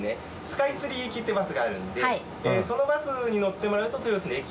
スカイツリー行きってバスがあるんでそのバスに乗ってもらうと豊洲の駅。